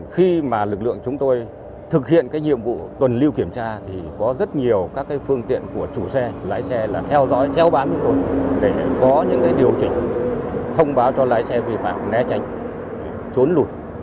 khi mà lực lượng chúng tôi thực hiện cái nhiệm vụ tuần lưu kiểm tra thì có rất nhiều các phương tiện của chủ xe lái xe là theo dõi theo bám để có những điều chỉnh thông báo cho lái xe vi phạm né tránh trốn lùi